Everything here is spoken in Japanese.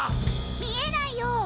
見えないよ。